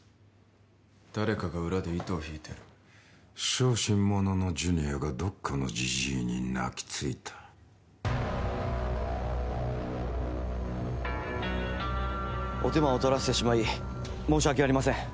誰かが裏で糸を引いてる小心者のジュニアがどっかのジジイに泣きついたお手間を取らせてしまい申し訳ありません